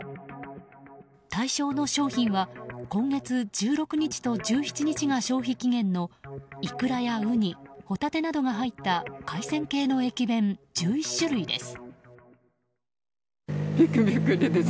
対象の商品は今月１６日と１７日が消費期限のイクラやウニホタテなどが入った海鮮系の駅弁１１種類です。